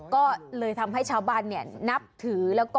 ก็เลยทำให้ชาวบ้านนับถือแล้วก็